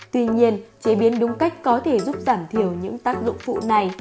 tuy nhiên chế biến đúng cách có thể giúp giảm thiểu những tác dụng phụ này